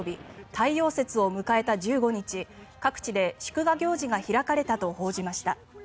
太陽節を迎えた１５日各地で祝賀行事が開かれたと報じました。